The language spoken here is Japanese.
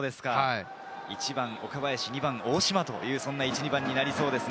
１番・岡林、２番・大島という１・２番になりそうです。